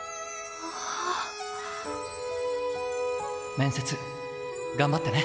面接頑張ってね。